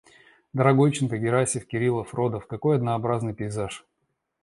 Дорогойченко, Герасимов, Кириллов, Родов — какой однаробразный пейзаж!